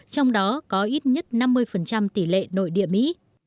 trong đó có ít nhất năm mươi tỷ lệ nội địa mỹ